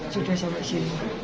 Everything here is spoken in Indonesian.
sudah sampai sini